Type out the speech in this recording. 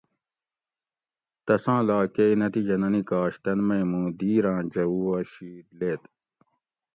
تساں لا کئ نتیجہ نہ نِکاش تن مئ موں دیر آۤں جوؤ اۤ شید لید